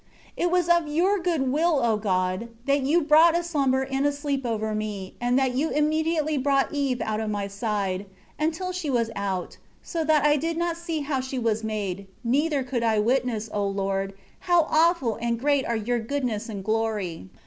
15 It was of Your good will, O God, that You brought a slumber in a sleep over me, and that You immediately brought Eve out of my side, until she was out, so that I did not see how she was made; neither could I witness, O my Lord, how awful and great are Your goodness and glory.